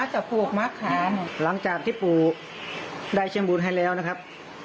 หลังจากที่ปู่ได้เชิงบุญให้แล้วนะครับ